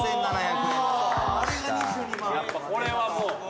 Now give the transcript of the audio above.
やっぱこれはもう。